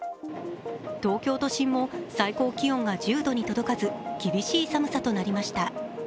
東京都心も最高気温が１０度に届かず、厳しい寒さとなりました。